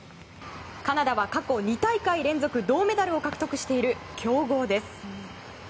カナダは過去２大会連続銅メダルを獲得している強豪です。